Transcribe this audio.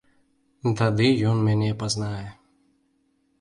Тады ён мяне пазнае.